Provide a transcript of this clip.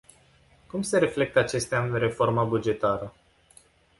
Cum se reflectă acestea în reforma bugetară?